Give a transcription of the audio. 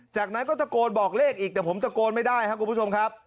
จากนั้นก็ตะโกนบอกเลขอีกแต่ผมตะโกนไม่ได้ครับคุณผู้ชมครับ